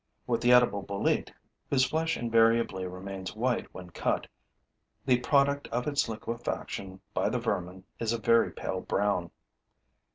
With the edible bolete, whose flesh invariably remains white when cut, the product of its liquefaction by the vermin is a very pale brown.